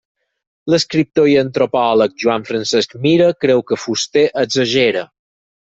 L'escriptor i antropòleg Joan Francesc Mira creu que Fuster exagera.